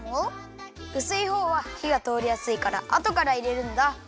うすいほうはひがとおりやすいからあとからいれるんだ。